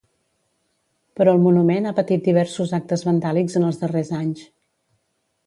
Però el monument ha patit diversos actes vandàlics en els darrers anys.